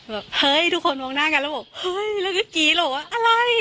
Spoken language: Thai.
แบบเฮ้ยทุกคนมองหน้ากันแล้วบอกเฮ้ยแล้วเมื่อกี้หรอกว่าอะไร